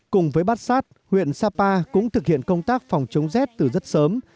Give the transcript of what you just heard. cùng với bát sát huyện sapa cũng thực hiện công tác phòng chống rét từ rất sớm